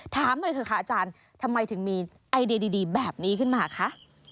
ถามหน่อยเถอะค่ะอาจารย์ทำไมถึงมีไอเดียดีแบบนี้ขึ้นมาคะ